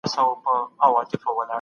صدقه د مالونو د پاکۍ لپاره ده.